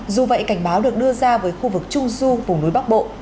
dù vậy cảnh báo được đưa ra với khu vực trung du vùng núi bắc bộ